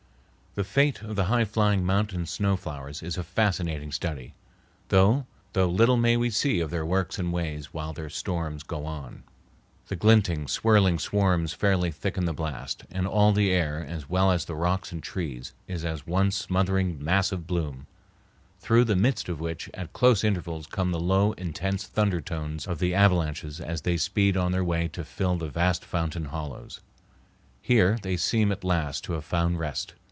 The fate of the high flying mountain snow flowers is a fascinating study, though little may we see of their works and ways while their storms go on. The glinting, swirling swarms fairly thicken the blast, and all the air, as well as the rocks and trees, is as one smothering mass of bloom, through the midst of which at close intervals come the low, intense thunder tones of the avalanches as they speed on their way to fill the vast fountain hollows. Here they seem at last to have found rest.